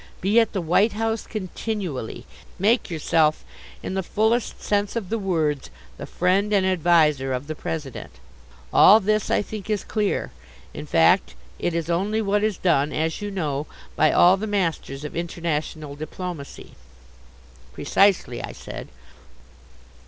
Be at the White House continually. Make yourself in the fullest sense of the words the friend and adviser of the President. All this I think is clear. In fact, it is only what is done, as you know, by all the masters of international diplomacy." "Precisely," I said.